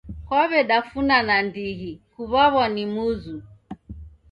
Kaw'edafuna nandighi kuw'aw'a ni muzu